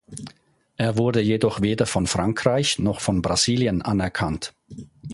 Er wurde jedoch weder von Frankreich noch von Brasilien anerkannt.